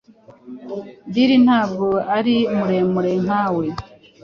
Bill ntabwo ari muremure nkawe